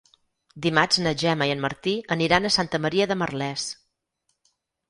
Dimarts na Gemma i en Martí aniran a Santa Maria de Merlès.